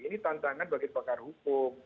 ini tantangan bagi pakar hukum